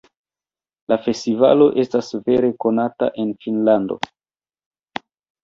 La festivalo estas vere konata en Finnlando.